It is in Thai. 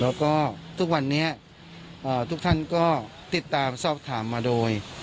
แล้วก็ทุกวันนี้ทุกท่านก็ติดตามสอบถามมาโดย